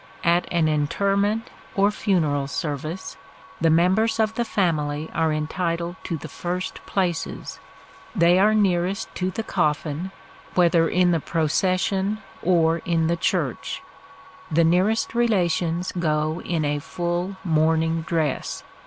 At an interment or funeral service, the members of the family are entitled to the first places; they are nearest to the coffin, whether in the procession, or in the church. The nearest relations go in a full mourning dress.